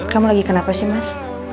kamu lagi kenapa sih mas